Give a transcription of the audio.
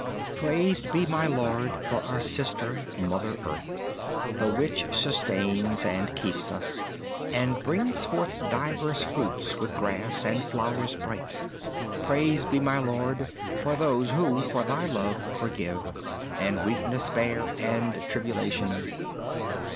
Praised be my Lord for our sister, mother earth. The which sustains and keeps us And brings forth diverse fruits with grass and flowers bright. Praised be my Lord for those who for Thy love forgive And weakness bear and tribulation.